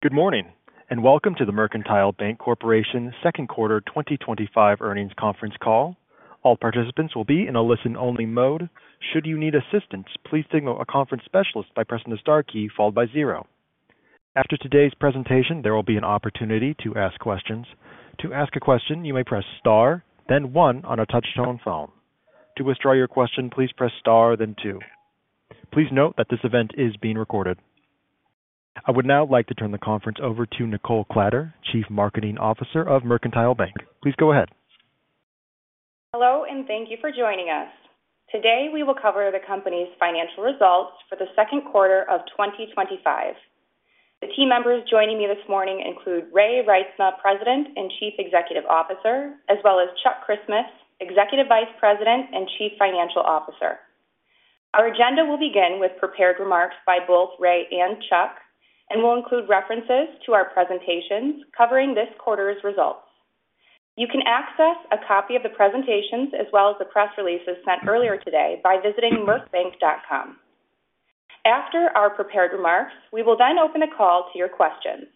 Good morning and welcome to the Mercantile Bank Corporation's second quarter 2025 earnings conference call. All participants will be in a listen-only mode. Should you need assistance, please signal a conference specialist by pressing the star key followed by zero. After today's presentation, there will be an opportunity to ask questions. To ask a question, you may press star, then one on a touch-tone phone. To withdraw your question, please press star, then two. Please note that this event is being recorded. I would now like to turn the conference over to Nichole Kladder, Chief Marketing Officer of Mercantile Bank. Please go ahead. Hello and thank you for joining us. Today we will cover the company's financial results for the second quarter of 2025. The team members joining me this morning include Ray Reitsma, President and Chief Executive Officer, as well as Chuck Christmas, Executive Vice President and Chief Financial Officer. Our agenda will begin with prepared remarks by both Ray and Chuck, and we'll include references to our presentations covering this quarter's results. You can access a copy of the presentations as well as the press releases sent earlier today by visiting mercbank.com. After our prepared remarks, we will then open the call to your questions.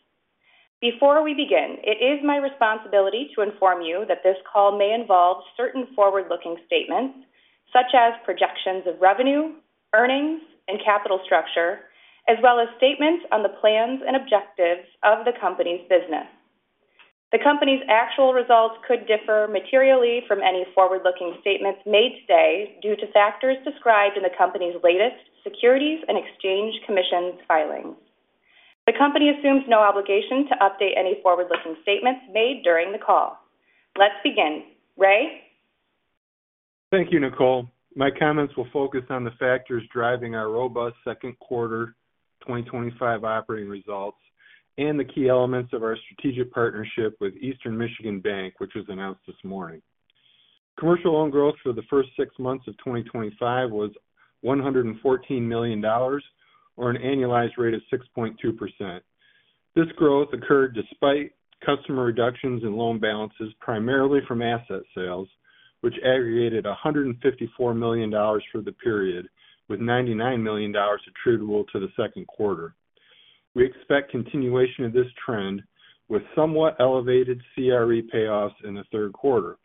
Before we begin, it is my responsibility to inform you that this call may involve certain forward-looking statements, such as projections of revenue, earnings, and capital structure, as well as statements on the plans and objectives of the company's business. The company's actual results could differ materially from any forward-looking statements made today due to factors described in the company's latest Securities and Exchange Commission filing. The company assumes no obligation to update any forward-looking statements made during the call. Let's begin. Ray? Thank you, Nichole. My comments will focus on the factors driving our robust second quarter 2025 operating results and the key elements of our strategic partnership with Eastern Michigan Bank, which was announced this morning. Commercial loan growth for the first six months of 2025 was $114 million, or an annualized rate of 6.2%. This growth occurred despite customer reductions in loan balances, primarily from asset sales, which aggregated $154 million for the period, with $99 million attributable to the second quarter. We expect continuation of this trend, with somewhat elevated CRE payoffs in the third quarter.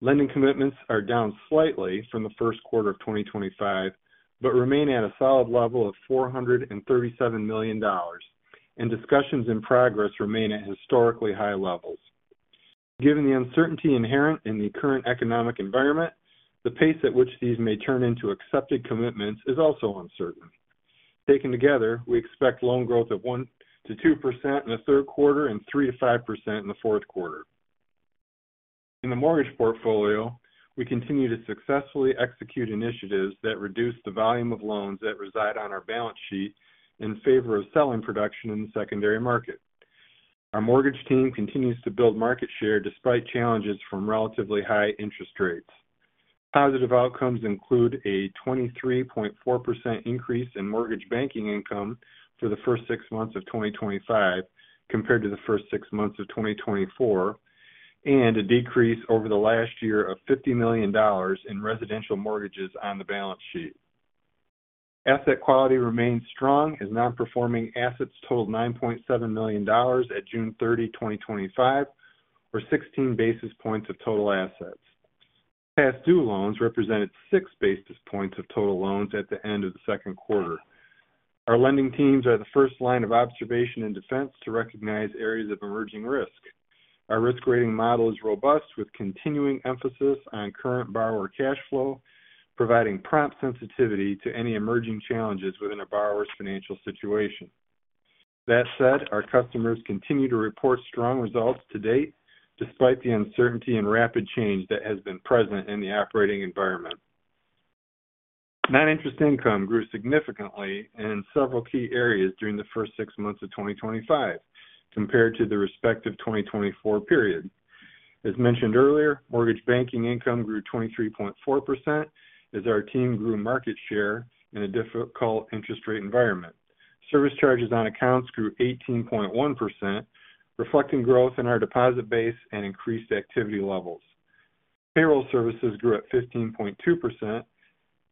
Lending commitments are down slightly from the first quarter of 2025, but remain at a solid level of $437 million, and discussions in progress remain at historically high levels. Given the uncertainty inherent in the current economic environment, the pace at which these may turn into accepted commitments is also uncertain. Taken together, we expect loan growth of 1%-2% in the third quarter and 3%-5% in the fourth quarter. In the mortgage portfolio, we continue to successfully execute initiatives that reduce the volume of loans that reside on our balance sheet in favor of selling production in the secondary market. Our mortgage team continues to build market share despite challenges from relatively high interest rates. Positive outcomes include a 23.4% increase in mortgage banking income for the first six months of 2025 compared to the first six months of 2024, and a decrease over the last year of $50 million in residential mortgages on the balance sheet. Asset quality remains strong as non-performing assets totaled $9.7 million at June 30, 2025, or 16 basis points of total assets. Past due loans represented six basis points of total loans at the end of the second quarter. Our lending teams are the first line of observation and defense to recognize areas of emerging risk. Our risk rating model is robust, with continuing emphasis on current borrower cash flow, providing prompt sensitivity to any emerging challenges within a borrower's financial situation. That said, our customers continue to report strong results to date despite the uncertainty and rapid change that has been present in the operating environment. Non-interest income grew significantly in several key areas during the first six months of 2025 compared to the respective 2024 period. As mentioned earlier, mortgage banking income grew 23.4% as our team grew market share in a difficult interest rate environment. Service charges on accounts grew 18.1%, reflecting growth in our deposit base and increased activity levels. Payroll services grew at 15.2%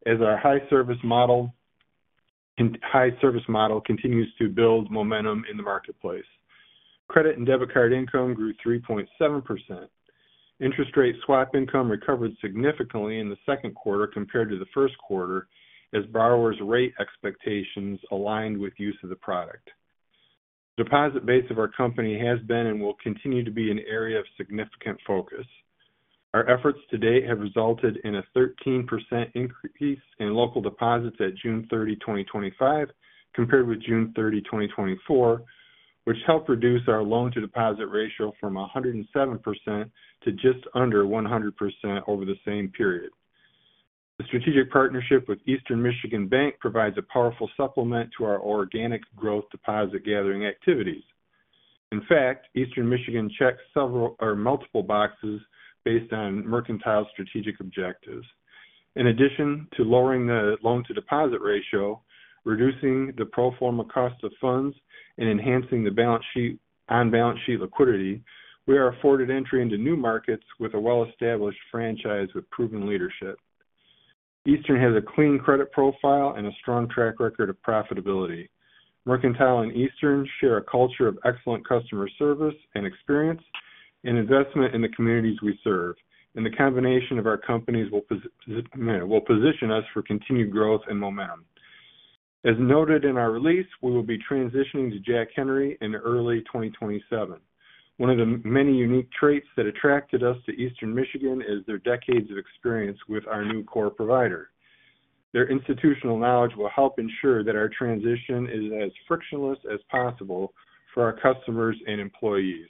as our high service model continues to build momentum in the marketplace. Credit and debit card income grew 3.7%. Interest rate swap income recovered significantly in the second quarter compared to the first quarter as borrowers' rate expectations aligned with use of the product. The deposit base of our company has been and will continue to be an area of significant focus. Our efforts to date have resulted in a 13% increase in local deposits at June 30, 2025, compared with June 30, 2024, which helped reduce our loan-to-deposit ratio from 107% to just under 100% over the same period. The strategic partnership with Eastern Michigan Bank provides a powerful supplement to our organic growth deposit gathering activities. In fact, Eastern Michigan checks multiple boxes based on Mercantile's strategic objectives. In addition to lowering the loan-to-deposit ratio, reducing the pro forma cost of funds, and enhancing the balance sheet on balance sheet liquidity, we are afforded entry into new markets with a well-established franchise with proven leadership. Eastern has a clean credit profile and a strong track record of profitability. Mercantile and Eastern share a culture of excellent customer service and experience and investment in the communities we serve, and the combination of our companies will position us for continued growth and momentum. As noted in our release, we will be transitioning to Jack Henry in early 2027. One of the many unique traits that attracted us to Eastern Michigan is their decades of experience with our new core provider. Their institutional knowledge will help ensure that our transition is as frictionless as possible for our customers and employees.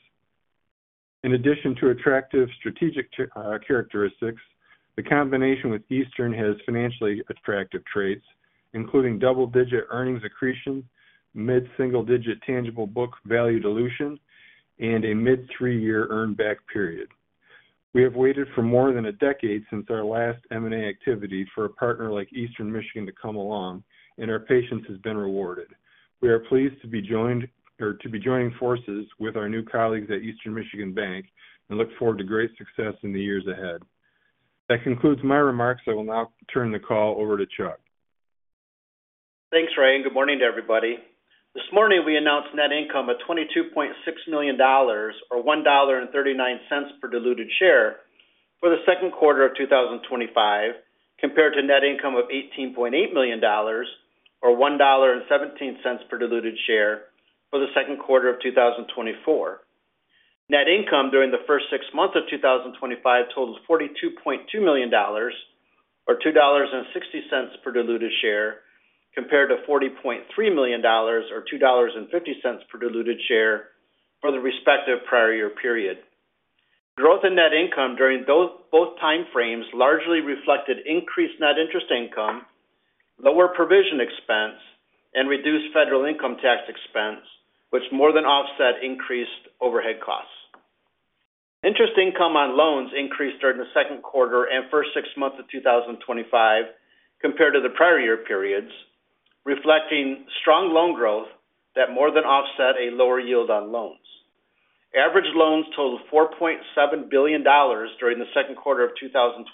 In addition to attractive strategic characteristics, the combination with Eastern has financially attractive traits, including double-digit earnings accretion, mid-single-digit tangible book value dilution, and a mid-three-year earn-back period. We have waited for more than a decade since our last M&A activity for a partner like Eastern Michigan to come along, and our patience has been rewarded. We are pleased to be joining forces with our new colleagues at Eastern Michigan Bank and look forward to great success in the years ahead. That concludes my remarks. I will now turn the call over to Chuck. Thanks, Ray. Good morning to everybody. This morning, we announced net income of $22.6 million, or $1.39 per diluted share for the second quarter of 2025, compared to net income of $18.8 million, or $1.17 per diluted share for the second quarter of 2024. Net income during the first six months of 2025 totals $42.2 million, or $2.60 per diluted share, compared to $40.3 million, or $2.50 per diluted share for the respective prior year period. Growth in net income during both timeframes largely reflected increased net interest income, lower provision expense, and reduced federal income tax expense, which more than offset increased overhead costs. Interest income on loans increased during the second quarter and first six months of 2025 compared to the prior year periods, reflecting strong loan growth that more than offset a lower yield on loans. Average loans totaled $4.7 billion during the second quarter of 2025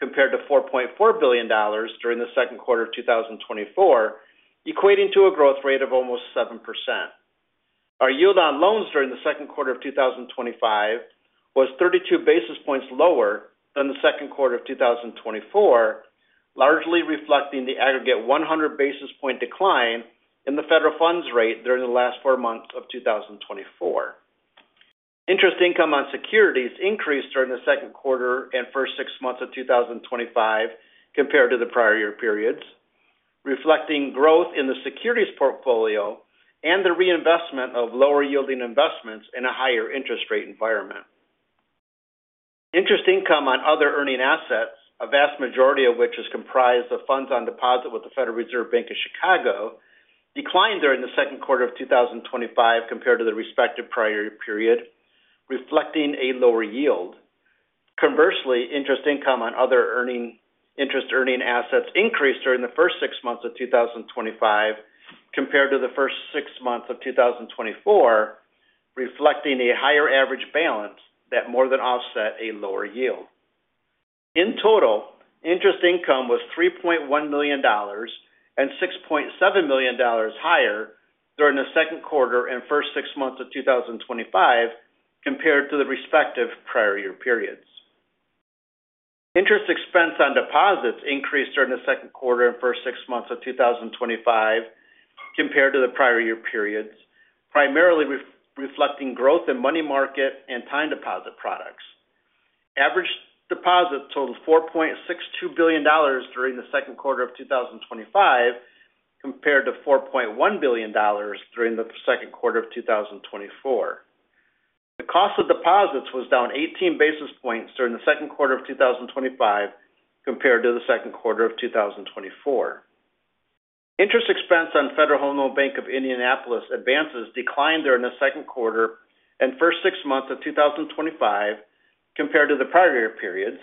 compared to $4.4 billion during the second quarter of 2024, equating to a growth rate of almost 7%. Our yield on loans during the second quarter of 2025 was 32 basis points lower than the second quarter of 2024, largely reflecting the aggregate 100 basis point decline in the federal funds rate during the last four months of 2024. Interest income on securities increased during the second quarter and first six months of 2025 compared to the prior year periods, reflecting growth in the securities portfolio and the reinvestment of lower yielding investments in a higher interest rate environment. Interest income on other earning assets, a vast majority of which is comprised of funds on deposit with the Federal Reserve Bank of Chicago, declined during the second quarter of 2025 compared to the respective prior year period, reflecting a lower yield. Conversely, interest income on other interest-earning assets increased during the first six months of 2025 compared to the first six months of 2024, reflecting a higher average balance that more than offset a lower yield. In total, interest income was $3.1 million and $6.7 million higher during the second quarter and first six months of 2025 compared to the respective prior year periods. Interest expense on deposits increased during the second quarter and first six months of 2025 compared to the prior year periods, primarily reflecting growth in money market and time deposit products. Average deposits totaled $4.62 billion during the second quarter of 2025 compared to $4.1 billion during the second quarter of 2024. The cost of deposits was down 18 basis points during the second quarter of 2025 compared to the second quarter of 2024. Interest expense on Federal Home Loan Bank advances declined during the second quarter and first six months of 2025 compared to the prior year periods,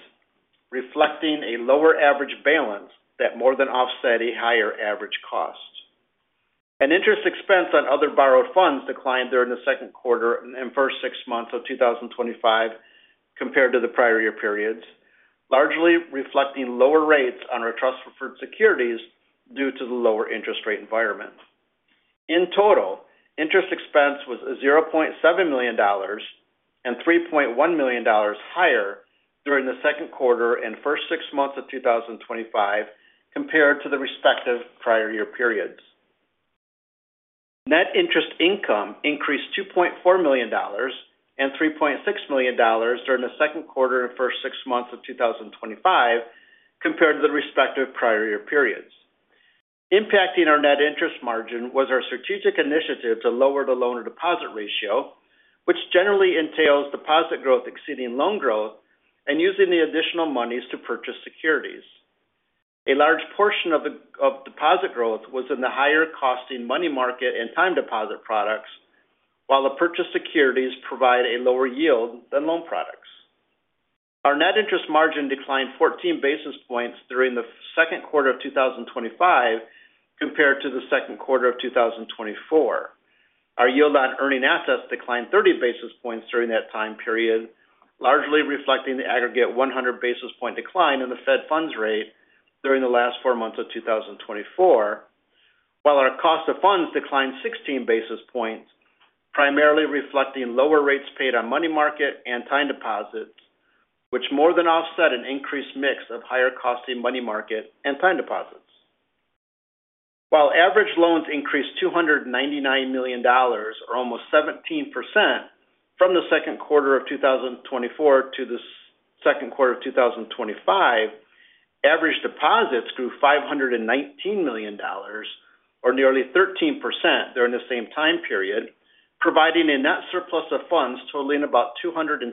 reflecting a lower average balance that more than offset a higher average cost. Interest expense on other borrowed funds declined during the second quarter and first six months of 2025 compared to the prior year periods, largely reflecting lower rates on our trust preferred securities due to the lower interest rate environment. In total, interest expense was $0.7 million and $3.1 million higher during the second quarter and first six months of 2025 compared to the respective prior year periods. Net interest income increased $2.4 million and $3.6 million during the second quarter and first six months of 2025 compared to the respective prior year periods. Impacting our net interest margin was our strategic initiative to lower the loan-to-deposit ratio, which generally entails deposit growth exceeding loan growth and using the additional monies to purchase securities. A large portion of deposit growth was in the higher-costing money market and time deposit products, while the purchased securities provide a lower yield than loan products. Our net interest margin declined 14 basis points during the second quarter of 2025 compared to the second quarter of 2024. Our yield on earning assets declined 30 basis points during that time period, largely reflecting the aggregate 100 basis point decline in the Fed funds rate during the last four months of 2024, while our cost of funds declined 16 basis points, primarily reflecting lower rates paid on money market and time deposits, which more than offset an increased mix of higher-costing money market and time deposits. While average loans increased $299 million, or almost 17% from the second quarter of 2024 to the second quarter of 2025, average deposits grew $519 million, or nearly 13% during the same time period, providing a net surplus of funds totaling about $220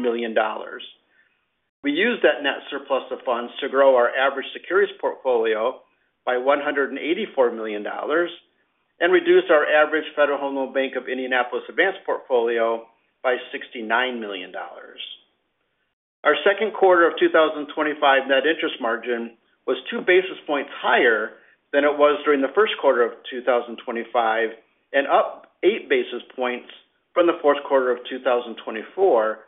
million. We used that net surplus of funds to grow our average securities portfolio by $184 million and reduced our average Federal Home Loan Bank of Indianapolis advance portfolio by $69 million. Our second quarter of 2025 net interest margin was two basis points higher than it was during the first quarter of 2025 and up eight basis points from the fourth quarter of 2024,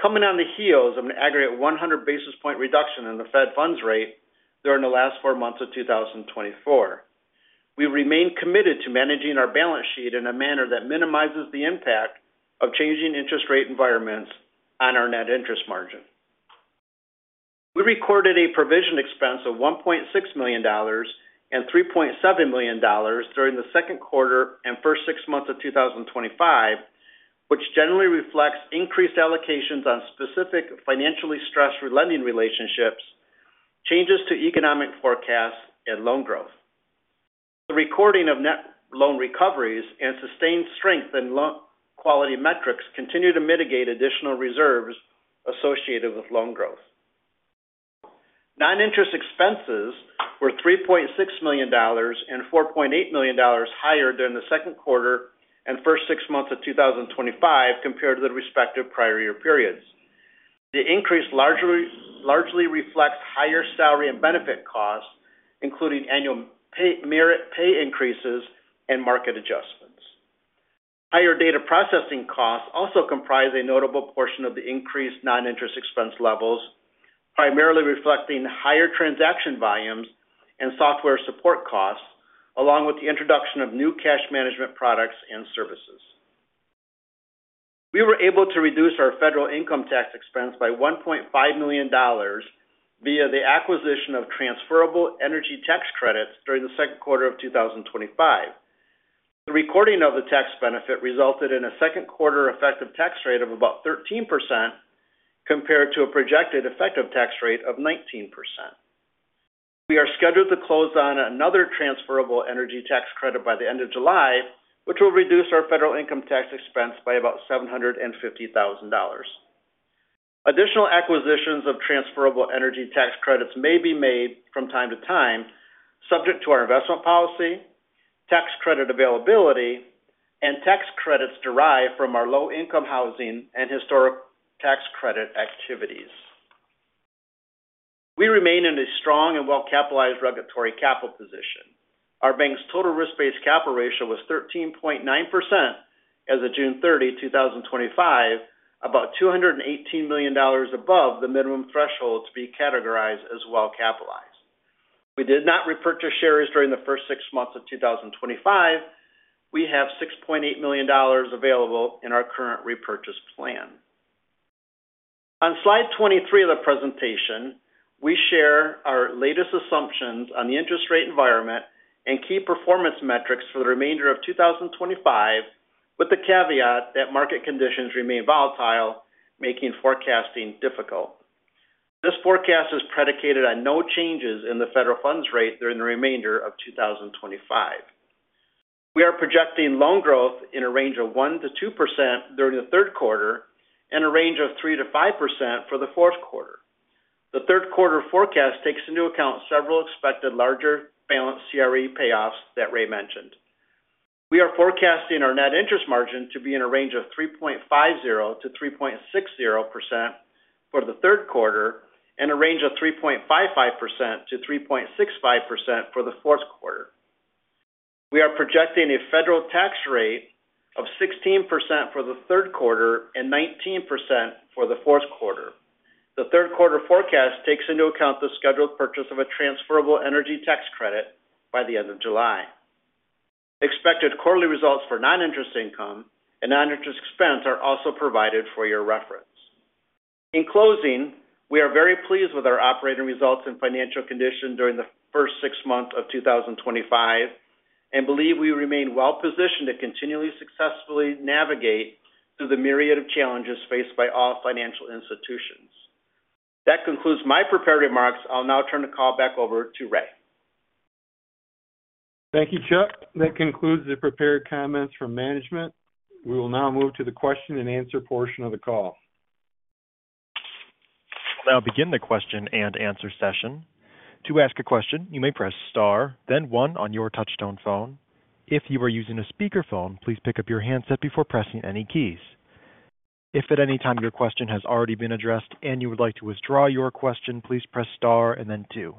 coming on the heels of an aggregate 100 basis point reduction in the Fed funds rate during the last four months of 2024. We remain committed to managing our balance sheet in a manner that minimizes the impact of changing interest rate environments on our net interest margin. We recorded a provision expense of $1.6 million and $3.7 million during the second quarter and first six months of 2025, which generally reflects increased allocations on specific financially stressed lending relationships, changes to economic forecasts, and loan growth. The recording of net loan recoveries and sustained strength in loan quality metrics continue to mitigate additional reserves associated with loan growth. Non-interest expenses were $3.6 million and $4.8 million higher during the second quarter and first six months of 2025 compared to the respective prior year periods. The increase largely reflects higher salary and benefit costs, including annual pay increases and market adjustments. Higher data processing costs also comprise a notable portion of the increased non-interest expense levels, primarily reflecting higher transaction volumes and software support costs, along with the introduction of new cash management products and services. We were able to reduce our federal income tax expense by $1.5 million via the acquisition of transferable energy tax credits during the second quarter of 2025. The recording of the tax benefit resulted in a second quarter effective tax rate of about 13% compared to a projected effective tax rate of 19%. We are scheduled to close on another transferable energy tax credit by the end of July, which will reduce our federal income tax expense by about $750,000. Additional acquisitions of transferable energy tax credits may be made from time to time, subject to our investment policy, tax credit availability, and tax credits derived from our low-income housing and historic tax credit activities. We remain in a strong and well-capitalized regulatory capital position. Our bank's total risk-based capital ratio was 13.9% as of June 30, 2025, about $218 million above the minimum threshold to be categorized as well-capitalized. We did not repurchase shares during the first six months of 2025. We have $6.8 million available in our current repurchase plan. On slide 23 of the presentation, we share our latest assumptions on the interest rate environment and key performance metrics for the remainder of 2025, with the caveat that market conditions remain volatile, making forecasting difficult. This forecast is predicated on no changes in the federal funds rate during the remainder of 2025. We are projecting loan growth in a range of 1%-2% during the third quarter and a range of 3%-5% for the fourth quarter. The third quarter forecast takes into account several expected larger balance CRE payoffs that Ray mentioned. We are forecasting our net interest margin to be in a range of 3.50%-3.60% for the third quarter and a range of 3.55%-3.65% for the fourth quarter. We are projecting a federal tax rate of 16% for the third quarter and 19% for the fourth quarter. The third quarter forecast takes into account the scheduled purchase of a transferable energy tax credit by the end of July. Expected quarterly results for non-interest income and non-interest expense are also provided for your reference. In closing, we are very pleased with our operating results and financial conditions during the first six months of 2025 and believe we remain well-positioned to continually successfully navigate through the myriad of challenges faced by all financial institutions. That concludes my prepared remarks. I'll now turn the call back over to Ray. Thank you, Chuck. That concludes the prepared comments from management. We will now move to the question and answer portion of the call. I'll now begin the question and answer session. To ask a question, you may press star, then one on your touch-tone phone. If you are using a speaker phone, please pick up your handset before pressing any keys. If at any time your question has already been addressed and you would like to withdraw your question, please press star and then two.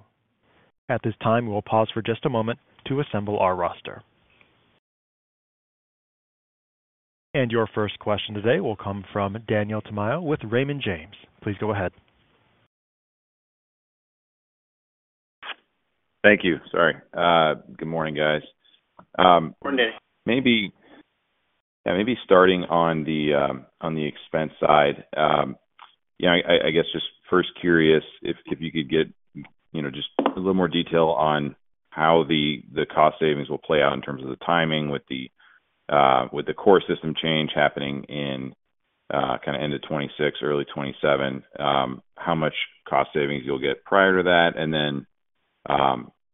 At this time, we will pause for just a moment to assemble our roster. Your first question today will come from Daniel Tamayo with Raymond James. Please go ahead. Thank you. Good morning, guys. Maybe starting on the expense side, I guess just first curious if you could get just a little more detail on how the cost savings will play out in terms of the timing with the core system change happening in kind of end of 2026, early 2027, how much cost savings you'll get prior to that, and then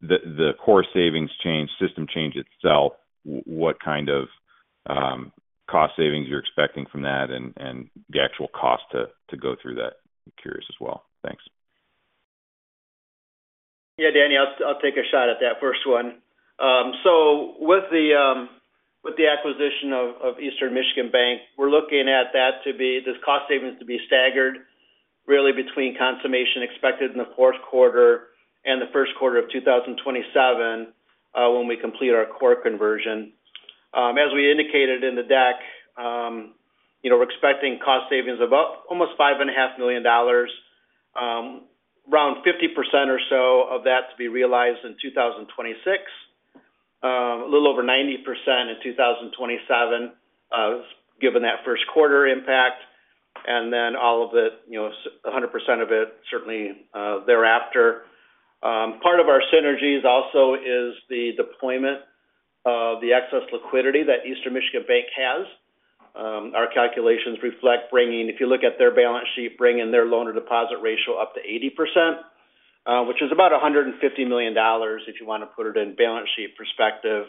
the core system change itself, what kind of cost savings you're expecting from that and the actual cost to go through that. I'm curious as well. Thanks. Yeah, Daniel, I'll take a shot at that first one. With the acquisition of Eastern Michigan Bank, we're looking at those cost savings to be staggered really between consummation expected in the fourth quarter and the first quarter of 2027 when we complete our core system conversion. As we indicated in the deck, we're expecting cost savings of almost $5.5 million, around 50% or so of that to be realized in 2026, a little over 90% in 2027 given that first quarter impact, and then all of it, 100% of it certainly thereafter. Part of our synergies also is the deployment of the excess liquidity that Eastern Michigan Bank has. Our calculations reflect bringing, if you look at their balance sheet, their loan-to-deposit ratio up to 80%, which is about $150 million if you want to put it in balance sheet perspective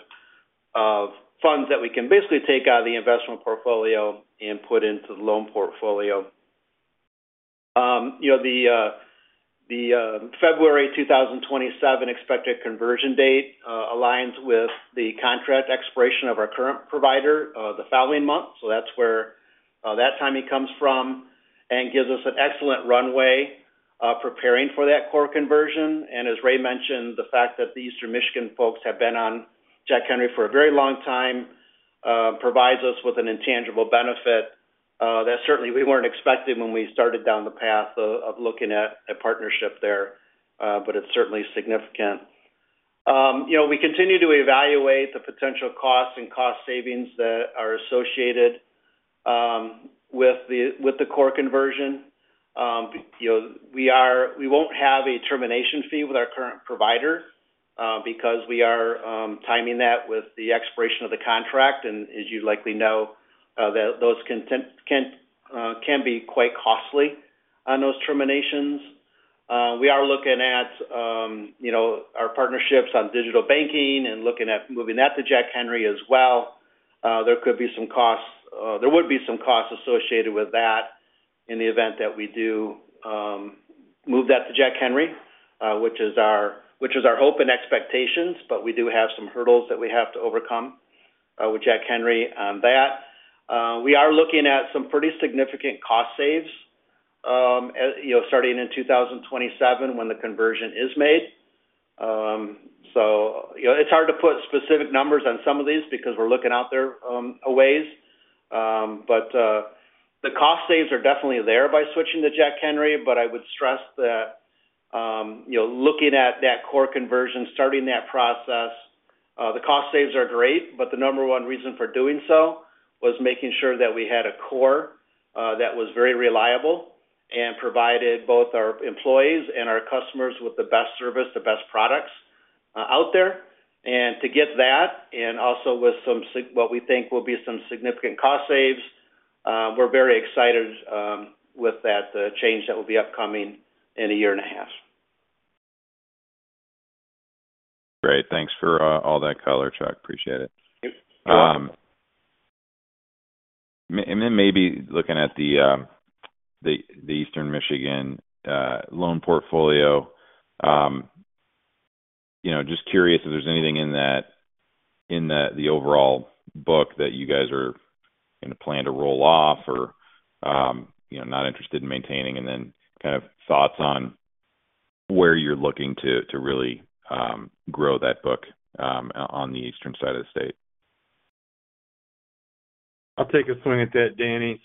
of funds that we can basically take out of the investment portfolio and put into the loan portfolio. The February 2027 expected conversion date aligns with the contract expiration of our current provider the following month, so that's where that timing comes from and gives us an excellent runway preparing for that core system conversion. As Ray mentioned, the fact that the Eastern Michigan folks have been on Jack Henry for a very long time provides us with an intangible benefit that certainly we weren't expecting when we started down the path of looking at a partnership there, but it's certainly significant. We continue to evaluate the potential costs and cost savings that are associated with the core system conversion. We won't have a termination fee with our current provider because we are timing that with the expiration of the contract. As you likely know, those can be quite costly on those terminations. We are looking at our partnerships on digital banking and looking at moving that to Jack Henry as well. There could be some costs, there would be some costs associated with that in the event that we do move that to Jack Henry, which is our hope and expectations, but we do have some hurdles that we have to overcome with Jack Henry on that. We are looking at some pretty significant cost saves starting in 2027 when the conversion is made. It's hard to put specific numbers on some of these because we're looking out there a ways, but the cost saves are definitely there by switching to Jack Henry. I would stress that, you know, looking at that core system conversion, starting that process, the cost saves are great, but the number one reason for doing so was making sure that we had a core that was very reliable and provided both our employees and our customers with the best service, the best products out there. To get that and also with what we think will be some significant cost saves, we're very excited with that change that will be upcoming in a year and a half. Great. Thanks for all that color, Chuck. Appreciate it. Maybe looking at the Eastern Michigan loan portfolio, just curious if there's anything in that, in the overall book that you guys are going to plan to roll off or not interested in maintaining, and then kind of thoughts on where you're looking to really grow that book on the eastern side of the state. I'll take a swing at that, Danny.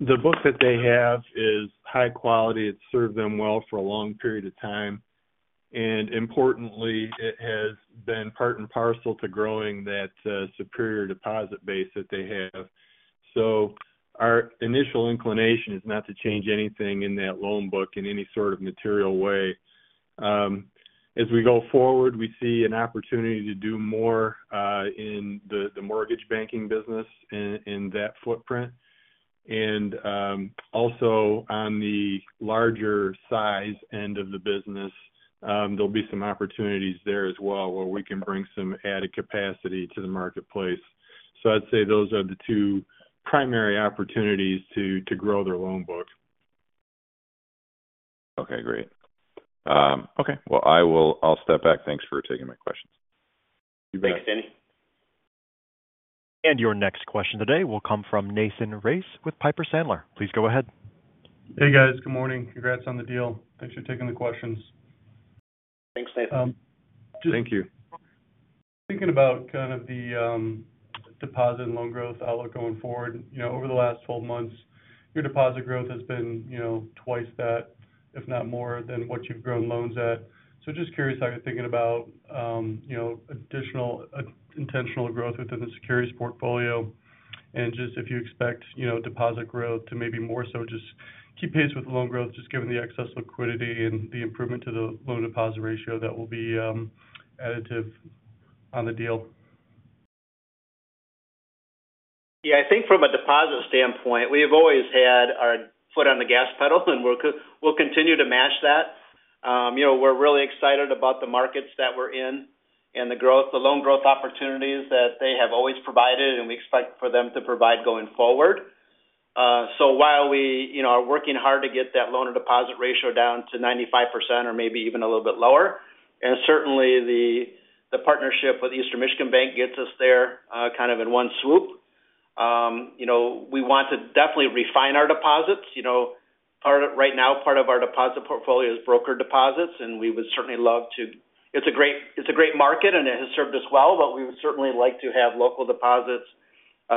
The book that they have is high quality. It's served them well for a long period of time. Importantly, it has been part and parcel to growing that superior deposit base that they have. Our initial inclination is not to change anything in that loan book in any sort of material way. As we go forward, we see an opportunity to do more in the mortgage banking business in that footprint. Also, on the larger size end of the business, there'll be some opportunities there as well where we can bring some added capacity to the marketplace. I'd say those are the two primary opportunities to grow their loan book. Okay, great. I'll step back. Thanks for taking my questions. Thanks, Danny. Your next question today will come from Nathan Race with Piper Sandler. Please go ahead. Hey, guys. Good morning. Congrats on the deal. Thanks for taking the questions. Thanks, Nathan. Thank you. Thinking about the deposit and loan growth outlook going forward, over the last 12 months, your deposit growth has been twice that, if not more than what you've grown loans at. Just curious how you're thinking about additional intentional growth within the securities portfolio and if you expect deposit growth to maybe more so just keep pace with loan growth, given the excess liquidity and the improvement to the loan-to-deposit ratio that will be additive on the deal. Yeah, I think from a deposit standpoint, we have always had our foot on the gas pedal, and we'll continue to mash that. We're really excited about the markets that we're in and the growth, the loan growth opportunities that they have always provided, and we expect for them to provide going forward. While we are working hard to get that loan-to-deposit ratio down to 95% or maybe even a little bit lower, certainly the partnership with Eastern Michigan Bank gets us there kind of in one swoop. We want to definitely refine our deposits. Right now, part of our deposit portfolio is broker deposits, and we would certainly love to, it's a great market, and it has served us well, but we would certainly like to have local deposits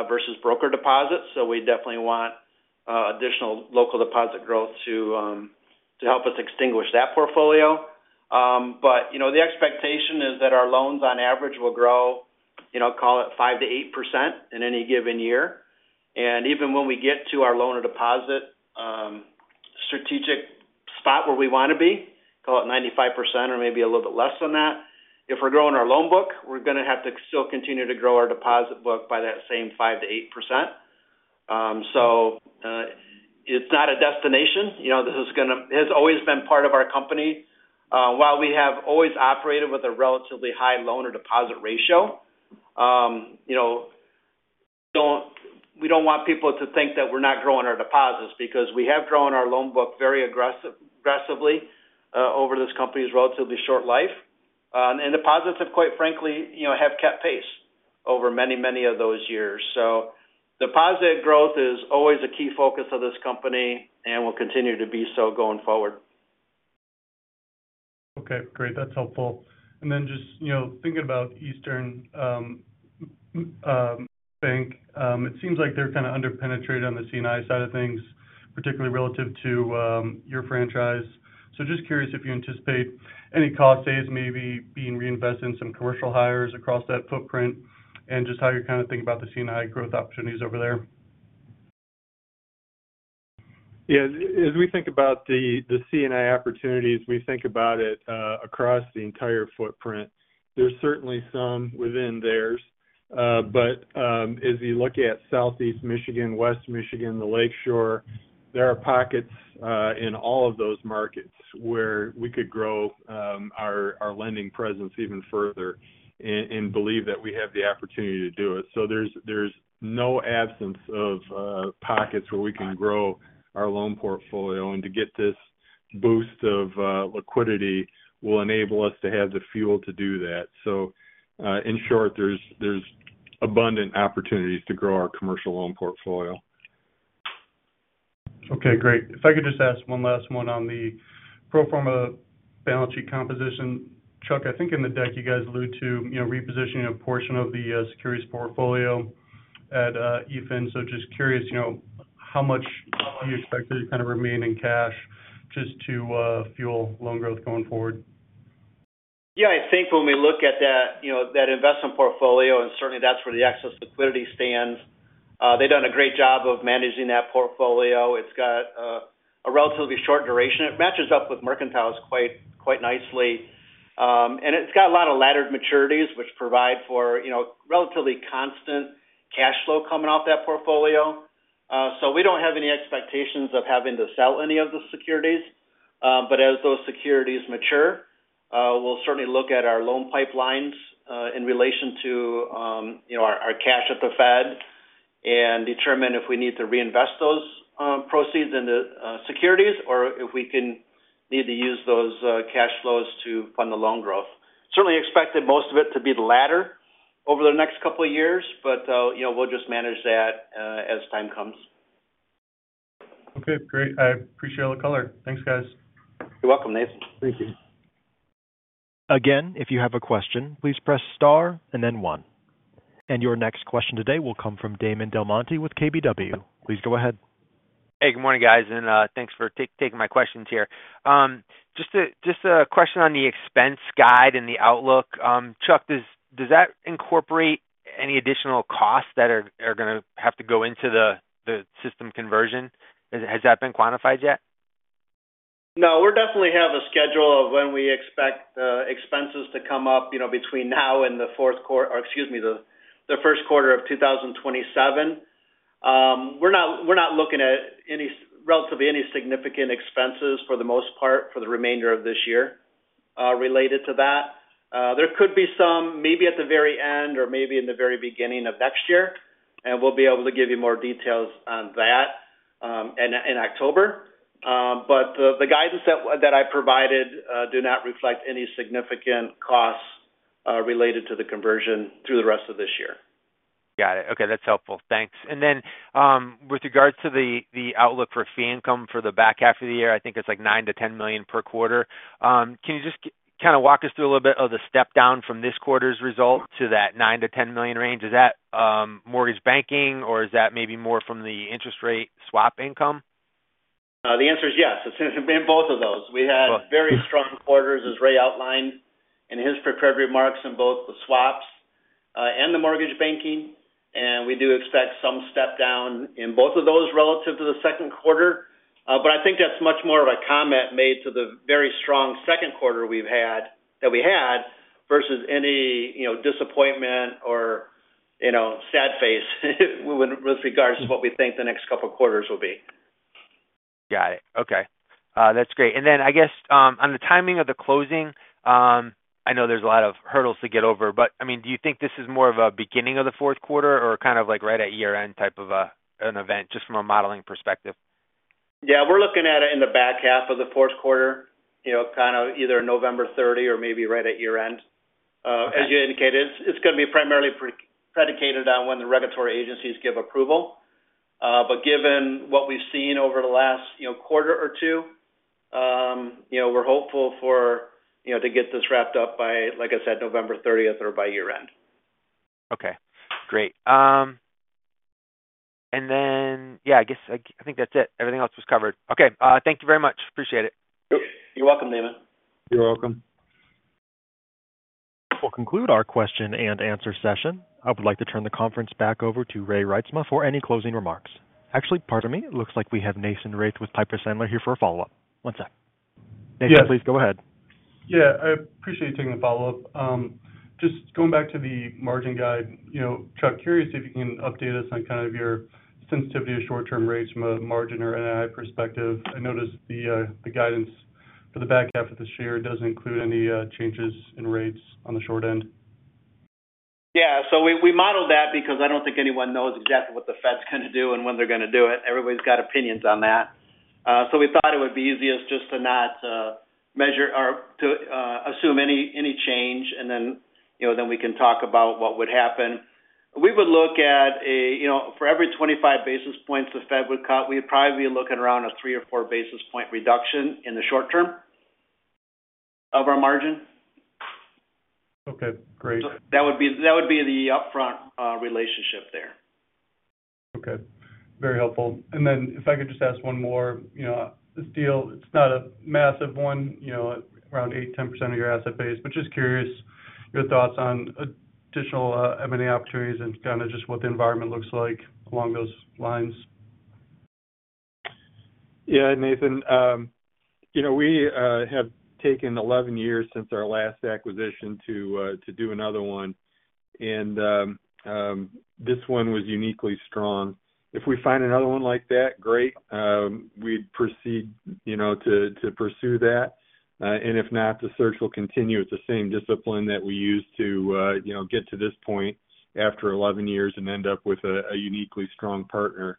versus broker deposits. We definitely want additional local deposit growth to help us extinguish that portfolio. The expectation is that our loans on average will grow, call it 5%-8% in any given year. Even when we get to our loan-to-deposit strategic spot where we want to be, call it 95% or maybe a little bit less than that, if we're growing our loan book, we're going to have to still continue to grow our deposit book by that same 5%-8%. It's not a destination. This has always been part of our company. While we have always operated with a relatively high loan-to-deposit ratio, we don't want people to think that we're not growing our deposits because we have grown our loan book very aggressively over this company's relatively short life. Deposits have, quite frankly, kept pace over many, many of those years. Deposit growth is always a key focus of this company, and will continue to be so going forward. Okay, great. That's helpful. Just, you know, thinking about Eastern Michigan Bank, it seems like they're kind of underpenetrated on the C&I side of things, particularly relative to your franchise. Just curious if you anticipate any cost saves maybe being reinvested in some commercial hires across that footprint and just how you're kind of thinking about the C&I growth opportunities over there. Yeah, as we think about the C&I opportunities, we think about it across the entire footprint. There's certainly some within theirs. As you look at Southeast Michigan, West Michigan, the Lakeshore, there are pockets in all of those markets where we could grow our lending presence even further and believe that we have the opportunity to do it. There's no absence of pockets where we can grow our loan portfolio, and to get this boost of liquidity will enable us to have the fuel to do that. In short, there's abundant opportunities to grow our commercial loan portfolio. Okay, great. If I could just ask one last one on the pro forma balance sheet composition, Chuck, I think in the deck you guys alluded to repositioning a portion of the securities portfolio at Eastern Michigan Bank. Just curious, how much do you expect to kind of remain in cash just to fuel loan growth going forward? Yeah, I think when we look at that investment portfolio, and certainly that's where the excess liquidity stands, they've done a great job of managing that portfolio. It's got a relatively short duration. It matches up with Mercantile's quite nicely. It's got a lot of laddered maturities, which provide for relatively constant cash flow coming off that portfolio. We don't have any expectations of having to sell any of the securities. As those securities mature, we'll certainly look at our loan pipelines in relation to our cash at the Fed and determine if we need to reinvest those proceeds into securities or if we need to use those cash flows to fund the loan growth. Certainly expected most of it to be the ladder over the next couple of years, but we'll just manage that as time comes. Okay, great. I appreciate all the color. Thanks, guys. You're welcome, Nathan. Thank you. Again, if you have a question, please press star and then one. Your next question today will come from Damon DelMonte with KBW. Please go ahead. Hey, good morning, guys, and thanks for taking my questions here. Just a question on the expense guide and the outlook. Chuck, does that incorporate any additional costs that are going to have to go into the core system conversion? Has that been quantified yet? No, we definitely have a schedule of when we expect expenses to come up between now and the fourth quarter, or excuse me, the first quarter of 2027. We're not looking at any relatively significant expenses for the most part for the remainder of this year related to that. There could be some maybe at the very end or maybe in the very beginning of next year, and we'll be able to give you more details on that in October. The guidance that I provided does not reflect any significant costs related to the conversion through the rest of this year. Got it. Okay, that's helpful. Thanks. With regards to the outlook for fee income for the back half of the year, I think it's like $9 million-$10 million per quarter. Can you just kind of walk us through a little bit of the step down from this quarter's result to that $9 million-$10 million range? Is that mortgage banking, or is that maybe more from the interest rate swap income? The answer is yes. It's in both of those. We had very strong quarters, as Ray outlined in his prepared remarks, in both the swaps and the mortgage banking. We do expect some step down in both of those relative to the second quarter. I think that's much more of a comment made to the very strong second quarter we had versus any, you know, disappointment or, you know, sad face with regards to what we think the next couple of quarters will be. Got it. Okay. That's great. On the timing of the closing, I know there's a lot of hurdles to get over, but do you think this is more of a beginning of the fourth quarter or kind of like right at year-end type of an event just from a modeling perspective? Yeah, we're looking at it in the back half of the fourth quarter, you know, kind of either November 30 or maybe right at year-end. As you indicated, it's going to be primarily predicated on when the regulatory agencies give approval. Given what we've seen over the last quarter or two, we're hopeful to get this wrapped up by, like I said, November 30 or by year-end. Okay, great. I guess I think that's it. Everything else was covered. Thank you very much. Appreciate it. You're welcome, Damon. You're welcome. We'll conclude our question and answer session. I would like to turn the conference back over to Ray Reitsma for any closing remarks. Actually, pardon me, it looks like we have Nathan Race with Piper Sandler here for a follow-up. One sec. Nathan, please go ahead. Yeah, I appreciate you taking the follow-up. Just going back to the margin guide, you know, Chuck, curious if you can update us on kind of your sensitivity to short-term rates from a margin or NII perspective. I noticed the guidance for the back half of this year doesn't include any changes in rates on the short end. Yeah, we modeled that because I don't think anyone knows exactly what the Fed's going to do and when they're going to do it. Everybody's got opinions on that. We thought it would be easiest just to not measure or to assume any change, and then we can talk about what would happen. We would look at, for every 25 basis points the Fed would cut, we'd probably be looking around a three or four basis point reduction in the short term of our margin. Okay, great. That would be the upfront relationship there. Okay, very helpful. If I could just ask one more, this deal, it's not a massive one, around 8% to 10% of your asset base, just curious your thoughts on additional M&A opportunities and kind of just what the environment looks like along those lines. Yeah, Nathan, we have taken 11 years since our last acquisition to do another one, and this one was uniquely strong. If we find another one like that, great, we'd proceed to pursue that. If not, the search will continue with the same discipline that we used to get to this point after 11 years and end up with a uniquely strong partner.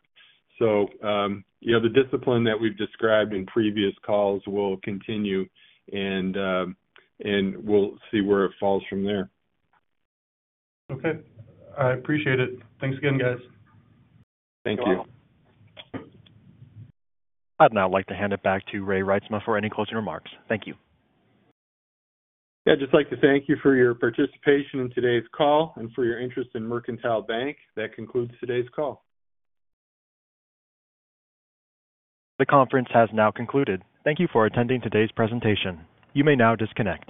The discipline that we've described in previous calls will continue, and we'll see where it falls from there. Okay, I appreciate it. Thanks again, guys. Thank you. I'd now like to hand it back to Ray Reitsma for any closing remarks. Thank you. Yeah, I'd just like to thank you for your participation in today's call and for your interest in Mercantile Bank. That concludes today's call. The conference has now concluded. Thank you for attending today's presentation. You may now disconnect.